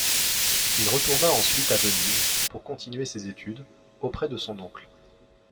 Il retourna ensuite à Venise pour continuer ses études, auprès de son oncle.